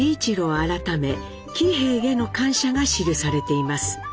改め喜兵衛への感謝が記されています。